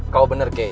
kau benar kei